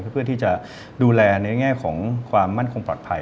เพื่อที่จะดูแลในแง่ของความมั่นคงปลอดภัย